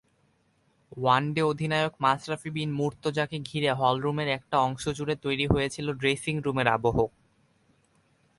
One day অধিনায়ক মাশরাফি বিন মুর্তজাকে ঘিরে হলরুমের একটা অংশে তৈরি হয়েছিল ড্রেসিংরুমের আবহ।